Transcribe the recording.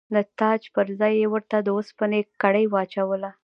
د تاج پر ځای یې ورته د اوسپنې کړۍ واچوله.